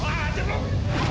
jangan aja om